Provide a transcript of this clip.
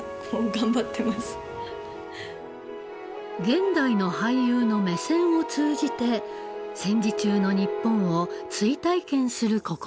現代の俳優の目線を通じて戦時中の日本を追体験する試み。